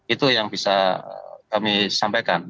itu yang bisa kami sampaikan